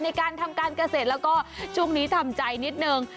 ในการทำการเกษตรแล้วก็ช่วงนี้ทำใจนิดนึง